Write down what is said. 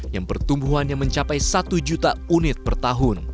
yang pertumbuhannya mencapai satu juta unit per tahun